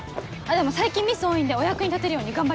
でも最近ミス多いんでお役に立てるように頑張ります。